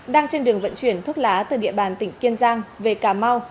đang trên đường vận chuyển thuốc lá từ địa bàn tỉnh kiên giang về cà mau